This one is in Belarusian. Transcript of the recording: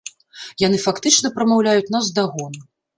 Яны фактычна прамаўляюць наўздагон.